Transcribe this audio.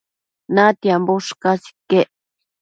natiambo ushcas iquec